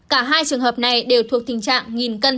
cả hai trường hợp này đều thuộc tình trạng nghìn cân